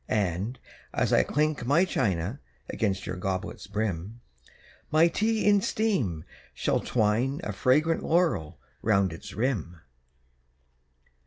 And, as I clink my china Against your goblet's brim, My tea in steam shall twine a Fragrant laurel round its rim.